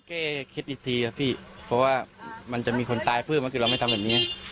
แค่คิดอีกทีครับพี่เพราะว่ามันจะมีคนตายปื้มบางทีเราไม่ทำแบบนี้